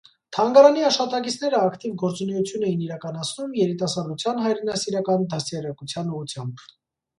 Թանգարանի աշխատակիցները ակտիվ գործունեություն էին իրականացնում երիտասարդության հայրենասիրական դաստիարակության ուղղությամբ։